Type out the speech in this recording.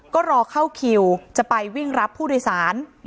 ก็รอเข้าคิวจะไปวิ่งรับผู้โดยสาร